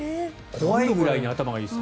怖いぐらいに頭がいいです。